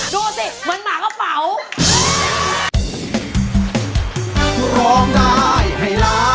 ดูสิมันหมาก็เป๋า